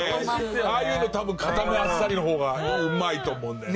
ああいうの多分硬めあっさりの方がうまいと思うんだよね。